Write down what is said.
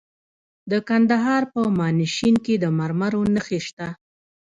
د کندهار په میانشین کې د مرمرو نښې شته.